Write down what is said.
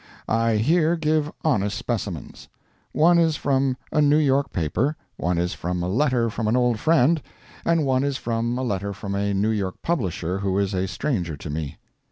I here give honest specimens. One is from a New York paper, one is from a letter from an old friend, and one is from a letter from a New York publisher who is a stranger to me.